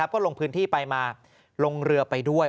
ก็ลงพื้นที่ไปมาลงเรือไปด้วย